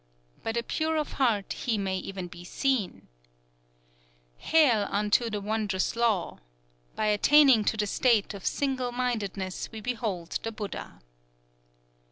By the pure of heart He may even be seen: "_Hail unto the Wondrous Law! By attaining to the state of single mindedness we behold the Buddha.